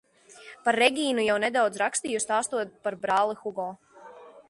Par Regīnu jau nedaudz rakstīju, stāstot par brāli Hugo.